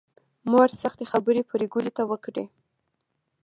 مور سختې خبرې پري ګلې ته وکړې